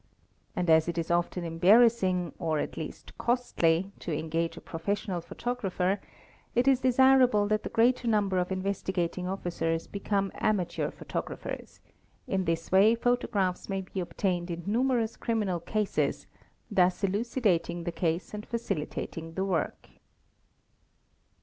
And as it is often embarassing, or at least costly, to engage a professional photographer, it is desirable that the greater number of Tnvestignting Officers become amateur photographers ; in this way photo il may be obtained in numerous criminal cases, thus elucidating the case and facilitating the work.